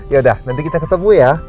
yaudah nanti kita ketemu ya